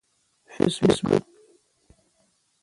فیسبوک